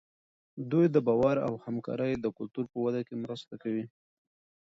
دوی د باور او همکارۍ د کلتور په وده کې مرسته کوي.